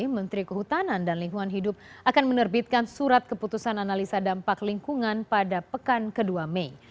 menteri kehutanan dan lingkungan hidup akan menerbitkan surat keputusan analisa dampak lingkungan pada pekan ke dua mei